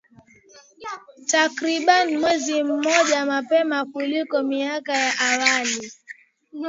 takriban mwezi mmoja mapema kuliko miaka ya awali